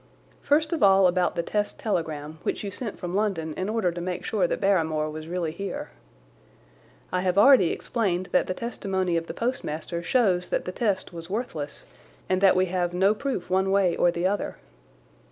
First of all about the test telegram, which you sent from London in order to make sure that Barrymore was really here. I have already explained that the testimony of the postmaster shows that the test was worthless and that we have no proof one way or the other.